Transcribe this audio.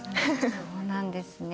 そうなんですね。